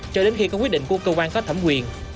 cho đến khi có quyết định của cơ quan có thẩm quyền